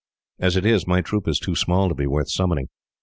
As it is, my troop is too small to be worth summoning.